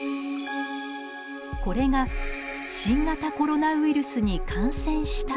これが「新型コロナウイルスに感染した」という状態です。